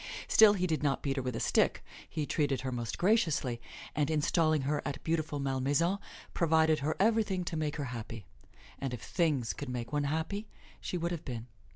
Still he did not beat her with a stick; he treated her most graciously, and installing her at beautiful Malmaison, provided her everything to make her happy. And if "things" could make one happy, she would have been.